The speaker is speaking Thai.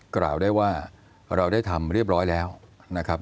กล่าวได้ว่าเราได้ทำเรียบร้อยแล้วนะครับ